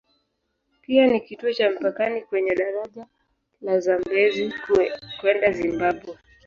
Pia ni kituo cha mpakani kwenye daraja la Zambezi kwenda Zimbabwe.